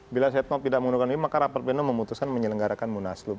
bila setnoff tidak mengundurkan diri maka rapat pleno memutuskan menyelenggarakan munaslob